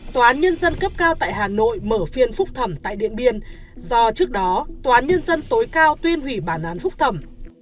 tòa án nhân dân cấp cao tại hà nội mở phiên phúc thẩm tại điện biên do trước đó tòa án nhân dân tối cao tuyên hủy bản án phúc thẩm